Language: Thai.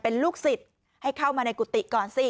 เป็นลูกศิษย์ให้เข้ามาในกุฏิก่อนสิ